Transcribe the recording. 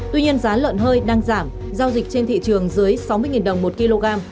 tuy nhiên giá lợn hơi đang giảm giao dịch trên thị trường dưới sáu mươi đồng một kg